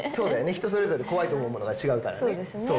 そうだよね、人それぞれ、怖いと思うことが違うからね。